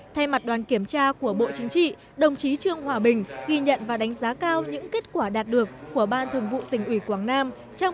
thay mặt đoàn kiểm tra của bộ chính trị đồng chí trương hòa bình ghi nhận và đánh giá cao những kết quả đạt được của ban thường vụ tỉnh ủy quảng nam